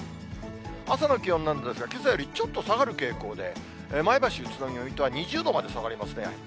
朝の気温なんですが、けさよりちょっと下がる傾向で、前橋、宇都宮、水戸は２０度まで下がりますね。